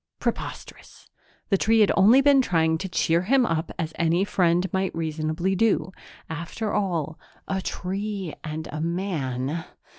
Preposterous! The tree had only been trying to cheer him up as any friend might reasonably do. After all, a tree and a man....